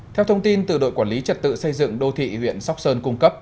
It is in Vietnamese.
theo thông tin từ đội quản lý trật tự xây dựng đô thị huyện sóc sơn cung cấp